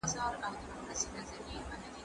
کېدای سي تمرين ستړي وي